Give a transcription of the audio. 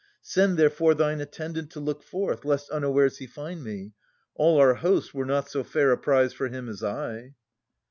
Send therefore thine attendant to look forth, Lest unawares he find me. All our host Were not so fair a prize for him as I.